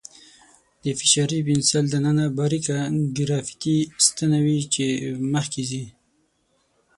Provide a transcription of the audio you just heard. د فشاري پنسل دننه باریکه ګرافیتي ستنه وي چې مخکې ځي.